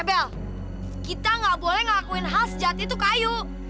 eh bel kita gak boleh ngelakuin hal sejati itu ke ayu